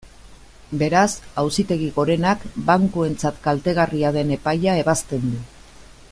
Beraz, Auzitegi Gorenak bankuentzat kaltegarria den epaia ebazten du.